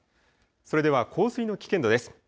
それでは洪水の危険度です。